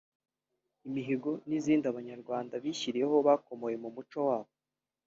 Imihigo n’izindi Abanyarwanda bishyiriyeho bakomoye mu muco wabo